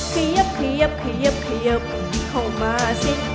เขียบเขียบเขียบเขียบเข้ามาสิ